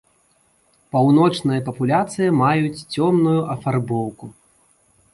Паўночныя папуляцыі маюць цёмную афарбоўку.